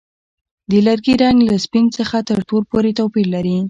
د لرګي رنګ له سپین څخه تر تور پورې توپیر لري.